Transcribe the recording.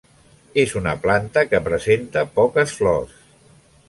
És una planta que presenta poques flors.